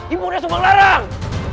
ibu anda semua larang